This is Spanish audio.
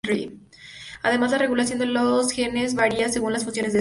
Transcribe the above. Además, la regulación de los genes varía según las funciones de estos.